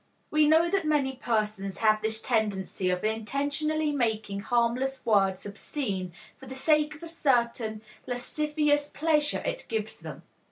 We know that many persons have this tendency of intentionally making harmless words obscene for the sake of a certain lascivious pleasure it gives them.